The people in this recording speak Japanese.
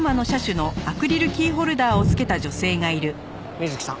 水木さん。